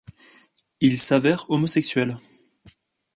Il s'avère homosexuel.